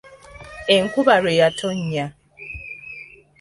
Enkuba lwe yatonnya.